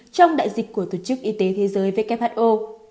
trong đại dịch của tổ chức y tế thế giới who